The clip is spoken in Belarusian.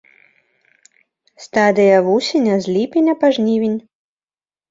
Стадыя вусеня з ліпеня па жнівень.